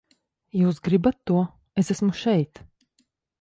Jūs gribat to, es esmu šeit!